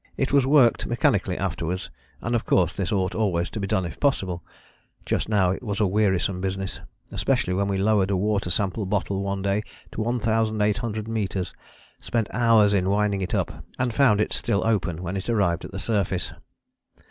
It was worked mechanically afterwards, and of course this ought always to be done if possible. Just now it was a wearisome business, especially when we lowered a water sample bottle one day to 1800 metres, spent hours in winding it up and found it still open when it arrived at the surface!